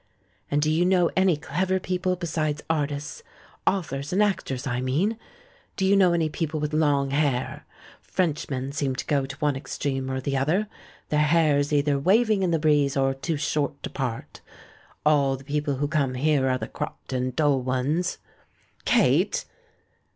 And do you know any clever people besides artists? Authors and actors, I mean? Do you know any people with long hair? Frenchmen seem to go to one extreme or the other — their hair's either waving in the breeze or too short to part. All THE BACK OF BOHEMIA 299 the people who come here are the cropped and dull ones." "Kate!"